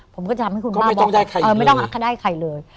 ผมก็จะทำให้คุณป้าบอกไม่ต้องอักขได้ใครเลย